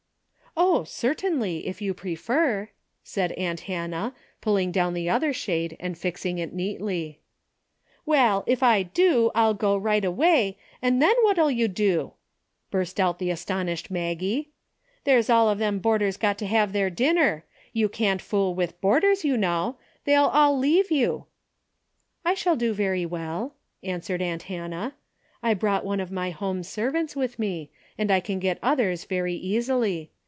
'' Oh, certainly, if you prefer," said aunt Hannah, pulling down the other shade and fixing it neatly. ''Well, if I do. I'll go right away, and then what'll you do ?" burst out the astonished Maggie. "There's all them boarders got to have their dinner. You can't fool with board ers, you know. They'll all leave you." " I shall do very Avell," answered aunt Hannah. "I brought one of my home serv ants with me, and I can get others very easily.